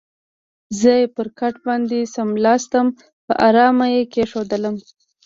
زه یې پر کټ باندې څملاستم، په آرامه یې کېښودلم.